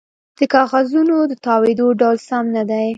د کاغذونو د تاویدو ډول سم نه دی